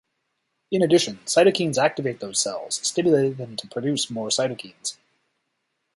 In addition, cytokines activate those cells, stimulating them to produce more cytokines.